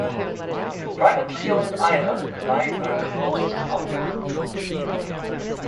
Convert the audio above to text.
The privately owned island and light are closed to the public.